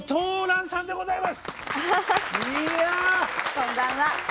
こんばんは。